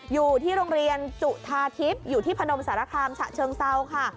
อยู่ที่โรงเรียนจุธาทิพย์อยู่ที่พนมสารคามฉะเชิงเซาค่ะ